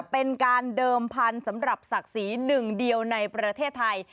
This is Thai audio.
เป็นการเดิมพันธุ์สำหรับศักดิ์ศรีหนึ่งเดียวในประเทศไทย